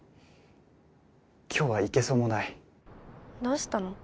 今日は行けそうもないどうしたの？